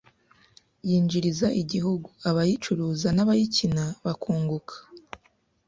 yinjiriza igihugu, abayicuruza n’abayikina bakunguka